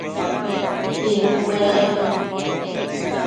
Pinu cuenec